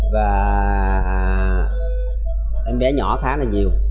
và em bé nhỏ khá là nhiều